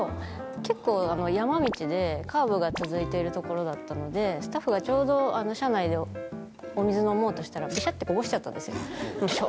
結構山道でカーブが続いてる所だったのでスタッフがちょうど車内でお水飲もうとしたらピシャってこぼしちゃったんですよ。